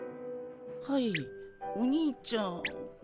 はいお兄ちゃん？